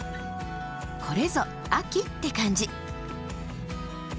これぞ秋って感じ。